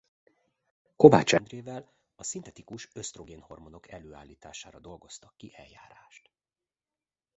Kovács Endrével a szintetikus ösztrogén hormonok előállítására dolgoztak ki eljárást.